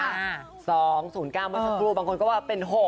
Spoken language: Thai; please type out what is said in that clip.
๒๐๙มันสักครู่บางคนก็ว่าเป็น๖